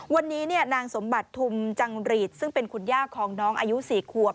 วันนี้นางสมบัติทุมจังหรีดซึ่งเป็นคุณย่าของน้องอายุ๔ขวบ